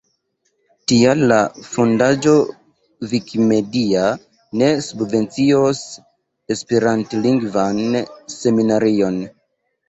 Tial la fondaĵo Vikimedia ne subvencios esperantlingvan seminarion.